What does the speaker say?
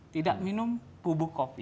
tidak minum bubuk kopi